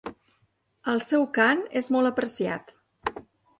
El seu cant és molt apreciat.